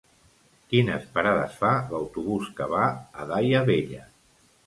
Quines parades fa l'autobús que va a Daia Vella?